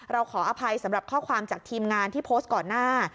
ขออภัยสำหรับข้อความจากทีมงานที่โพสต์ก่อนหน้า